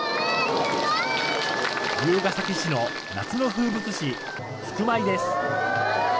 龍ケ崎市の夏の風物詩、撞舞です。